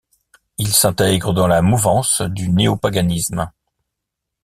Il s'intègre dans la mouvance du néopaganisme.